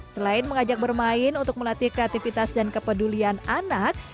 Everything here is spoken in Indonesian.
selain mengajak bermain untuk melatih kreativitas dan kepedulian anak